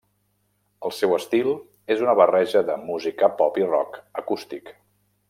El seu estil és una barreja de música pop i rock acústic.